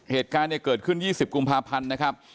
เหตุการณ์เนี่ยเกิดขึ้น๒๐กุมภาพันธ์นะครับ